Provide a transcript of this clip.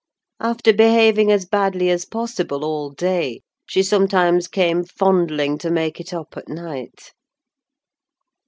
After behaving as badly as possible all day, she sometimes came fondling to make it up at night.